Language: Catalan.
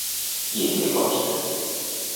I en què consta?